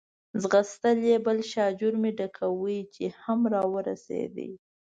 ځغستل یې، بل شاژور مې ډکاوه، چې هم را ورسېد.